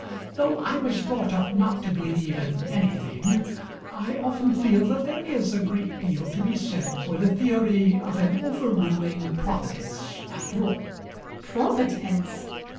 Though I was brought up not to believe in anything, I often feel that there is a great deal to be said for the theory of an over ruling Providence, after all. LADY UTTERWORD. Providence!